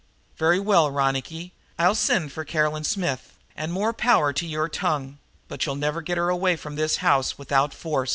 "Very well, Ronicky, I'll send for Caroline Smith, and more power to your tongue, but you'll never get her away from this house without force."